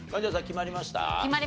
決まりました。